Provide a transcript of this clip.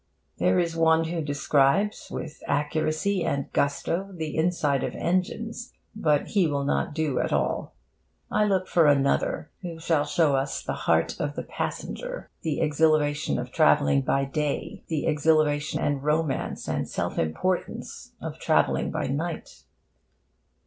There is one who describes, with accuracy and gusto, the insides of engines; but he will not do at all. I look for another, who shall show us the heart of the passenger, the exhilaration of travelling by day, the exhilaration and romance and self importance of travelling by night.